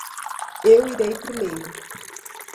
Eu irei primeiro.